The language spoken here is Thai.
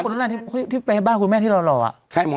คนที่บ้านคุณแม่ที่หล่อแหละ